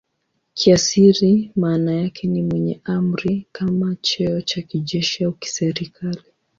Kiasili maana yake ni "mwenye amri" kama cheo cha kijeshi au kiserikali.